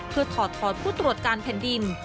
เพื่อถอดถอนผู้ตรวจการแผ่นดิน